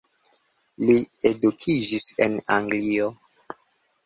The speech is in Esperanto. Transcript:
Li edukiĝis en Anglio.